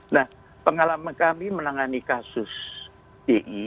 nah pengalaman kami menangani kasus ji